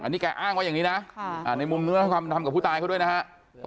อันนี้แกอ้างว่าอย่างนี้นะในมุมเนื้อทำกับผู้ตายเขาด้วยนะฮะ